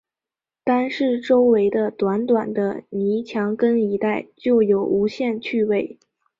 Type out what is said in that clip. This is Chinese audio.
单是周围的短短的泥墙根一带，就有无限趣味